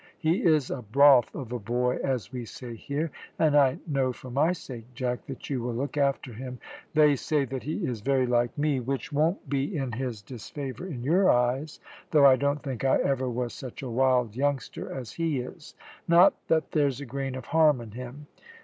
He is a `broth of a boy,' as we say here, and I know for my sake, Jack, that you will look after him. They say that he is very like me, which won't be in his disfavour in your eyes though I don't think I ever was such a wild youngster as he is; not that there's a grain of harm in him.